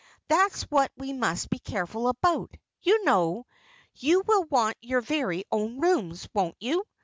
That's what we must be careful about, you know. You will want your very own rooms, won't you?